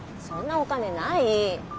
そんなお金ない。